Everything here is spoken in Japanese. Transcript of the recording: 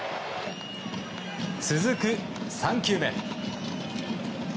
続く３球目。